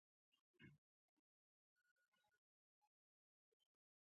وزې د غریب سړي پانګه ده